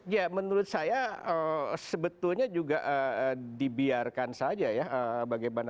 ya menurut saya sebetulnya juga dibiarkan saja ya